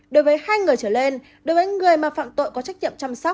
đối với hai người trở lên đối với người mà phạm tội có trách nhiệm chăm sóc